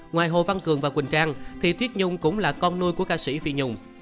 ngoài hồ văn cường và quỳnh trang thì thuyết nhung cũng là con nuôi của ca sĩ phi nhung